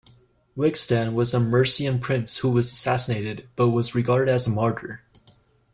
Wigstan was a Mercian prince who was assassinated, but was regarded as a Martyr.